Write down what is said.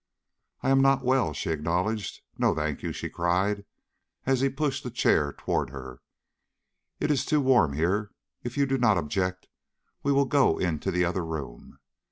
"I am not well," she acknowledged. "No, thank you," she cried, as he pushed a chair toward her. "It is too warm here. If you do not object, we will go into the other room."